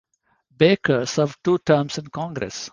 Baker served two terms in Congress.